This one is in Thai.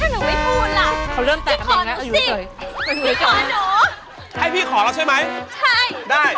ลงไปเท่าไหร่นะฮะใส่ลงไปเท่าไหร่ฮะ๒๐๐๐บาท